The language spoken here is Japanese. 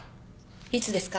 いつですか？